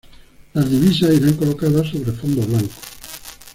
Las divisas irán colocadas sobre fondo blanco.